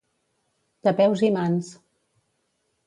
De peus i mans.